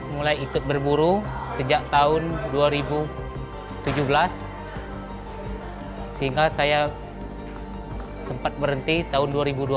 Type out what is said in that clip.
mulai ikut berburu sejak tahun dua ribu tujuh belas sehingga saya sempat berhenti tahun dua ribu dua puluh